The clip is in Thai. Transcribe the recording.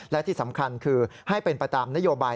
และที่สำคัญคือให้เป็นไปตามนโยบาย